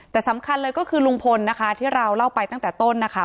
แต่สำคัญเลยก็คือลุงพลนะคะที่เราเล่าไปตั้งแต่ต้นนะคะ